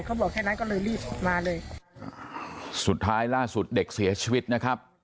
เขาบอกแค่นั้นก็เลยรีบมาเลยสุดท้ายล่าสุดเด็กเสียชีวิตนะครับ